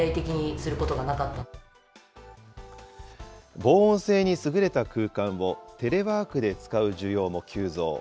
防音性に優れた空間をテレワークで使う需要も急増。